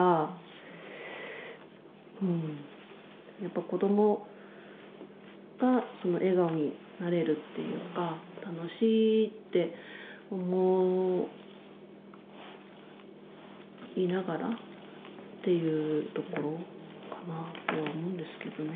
やっぱ子どもが笑顔になれるっていうか楽しいって思いながらっていうところかなとは思うんですけどね。